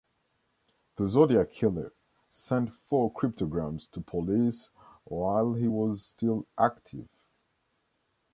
The Zodiac Killer sent four cryptograms to police while he was still active.